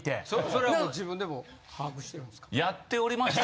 それはもう自分でも把握してるんですか？